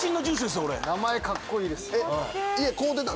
名前かっこいいです。